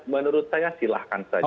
menurut saya silahkan saja